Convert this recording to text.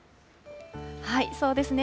そうですね。